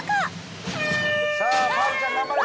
さあパールちゃん頑張れ。